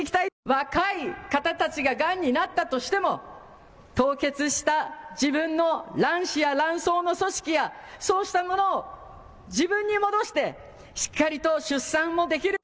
若い方たちががんになったとしても、凍結した自分の卵子や卵巣の組織やそうしたものを自分に戻して、しっかりと出産もできる。